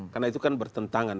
karena itu kan bertentangan